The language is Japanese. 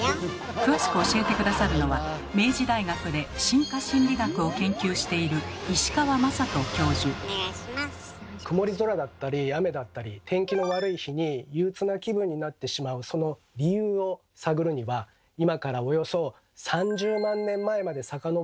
詳しく教えて下さるのは明治大学で進化心理学を研究しているくもり空だったり雨だったり天気の悪い日に憂鬱な気分になってしまうその理由を探るには今からおよそ３０万年前までさかのぼる必要があるんです。